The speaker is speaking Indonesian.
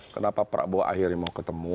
kenapa prabowo akhirnya mau ketemu